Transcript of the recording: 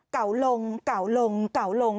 เก่าลงเก่าลงเก่าลง